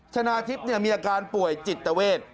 ชนะทิพย์มีอาการป่วยจิตเวท